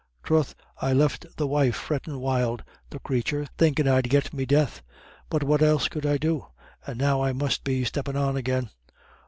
Troth, I left the wife frettin' wild, the crathur, thinkin' I'd get me death; but what else could I do? And now I must be steppin' on again.